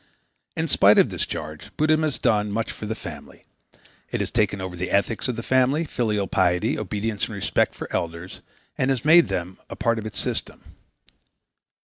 In spite of this charge Buddhism has done much for the family. It has taken over the ethics of the family, filial piety, obedience and respect for elders, and has made them a part of its system.